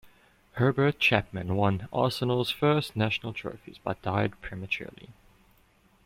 Herbert Chapman won Arsenal's first national trophies, but died prematurely.